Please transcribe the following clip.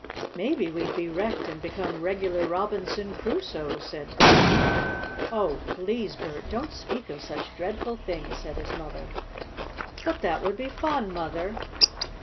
"Maybe we'd be wrecked and become regular Robinson Crusoes," said Bert. "Oh, please, Bert! don't speak of such dreadful things!" said his mother. "But that would be fun, Mother."